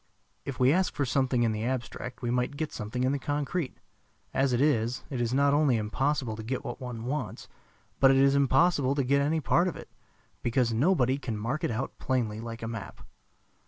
If we ask for something in the abstract we might get something in the concrete. As it is, it is not only impossible to get what one wants, but it is impossible to get any part of it, because nobody can mark it out plainly like a map.